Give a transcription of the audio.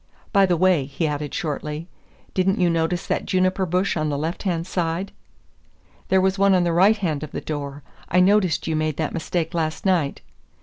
By the way," he added shortly, "didn't you notice that juniper bush on the left hand side?" "There was one on the right hand of the door. I noticed you made that mistake last night."